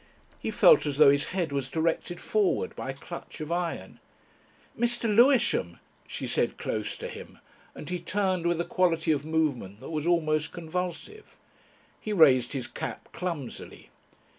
He felt as though his head was directed forward by a clutch of iron. "Mr. Lewisham," she said close to him, and he turned with a quality of movement that was almost convulsive. He raised his cap clumsily.